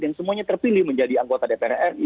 dan semuanya terpilih menjadi anggota dpr ri